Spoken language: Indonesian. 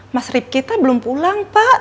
mas rifki tuh belum pulang pak